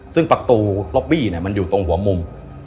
ซึ่งประตูล็อบบี้มันอยู่ตรงหัวมุม